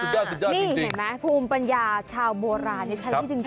นี่เห็นไหมภูมิปัญญาชาวโบราณใช้ได้จริง